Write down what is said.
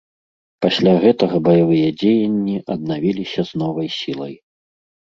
Пасля гэтага баявыя дзеянні аднавіліся з новай сілай.